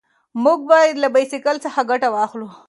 موږ باید له بایسکل څخه ګټه واخلو.